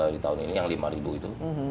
di tahun ini yang lima ribu itu